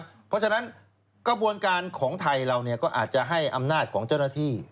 เพราะฉะนั้นกระบวนการของไทยเราก็อาจจะให้อำนาจของเจ้าหน้าที่